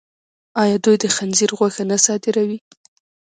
آیا دوی د خنزیر غوښه نه صادروي؟